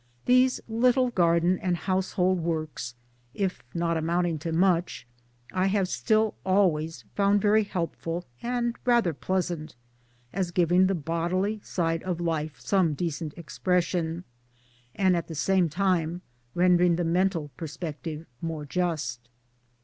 These little garden and household works if not amounting to much I have still always found very helpful and rather pleasant as giving the bodily, side of life some decent expression, and at MILLTHORPE AND HOUSEHOLD LIFE 163 the same time rendering the mental perspective more just.